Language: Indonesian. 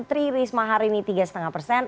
tri risma harini tiga lima persen